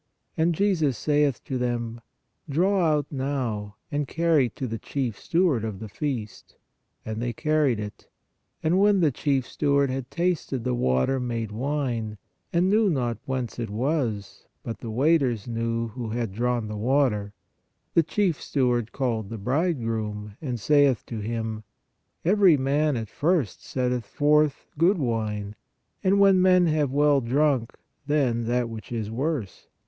And Jesus saith to them: Draw out now, and carry to the chief steward of the feast. And they carried it. And when the chief steward had tasted the water made wine, and knew not whence it was, but the waiters knew, who had drawn the water; the chief steward calleth the bridegroom, and saith to him : Every man at first setteth forth good wine, and when men have well drunk, then that which is worse.